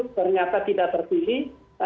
ternyata tidak terpilih